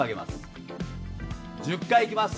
１０回いきます